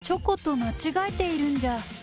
チョコと間違えてるんじゃ？